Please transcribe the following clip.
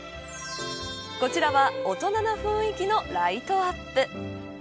こちらは大人な雰囲気のライトアップ。